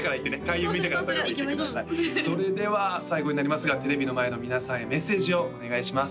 そうするそうする行きましょうそれでは最後になりますがテレビの前の皆さんへメッセージをお願いします